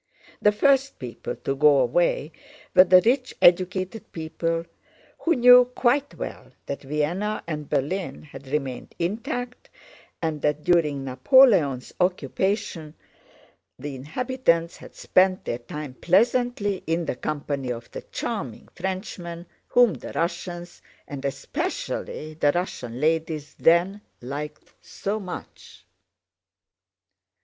The first people to go away were the rich educated people who knew quite well that Vienna and Berlin had remained intact and that during Napoleon's occupation the inhabitants had spent their time pleasantly in the company of the charming Frenchmen whom the Russians, and especially the Russian ladies, then liked so much.